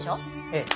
ええ。